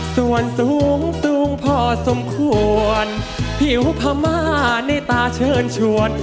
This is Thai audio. ส่วนสูงสูงพอสมควรผิวพม่าในตาเชิญชวน